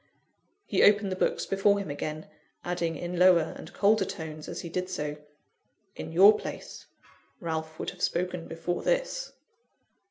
He opened the books before him again, adding in lower and colder tones, as he did so "In your place, Ralph would have spoken before this."